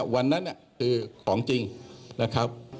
วันนั้นคือของจริงนะครับ